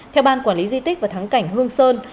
theo ban quản lý di tích và thắng cảnh hương sơn